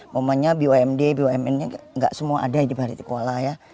momennya bumd bumn gak semua ada di baritukwala ya